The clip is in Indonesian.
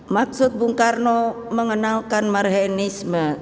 maksud bung karno mengenalkan marhenisme